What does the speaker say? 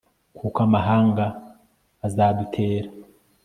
kuko amahanga azadutera